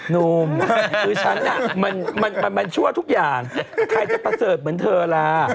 หนุ่มคือฉันมันชั่วทุกอย่างใครจะประเสริฐเหมือนเธอล่ะ